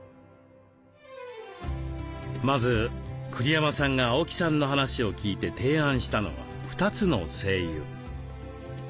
まず栗山さんが青木さんの話を聞いて提案したのは２つの精油。